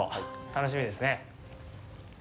楽しみですね。